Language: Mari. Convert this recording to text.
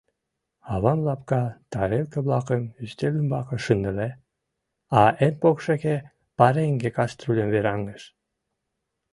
Авам лапка тарелке-влакым ӱстел ӱмбаке шындыле, а эн покшеке пареҥге каструльым вераҥдыш.